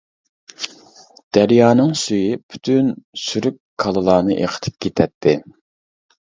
دەريانىڭ سۈيى پۈتۈن سۈرۈك كالىلارنى ئېقىتىپ كېتەتتى.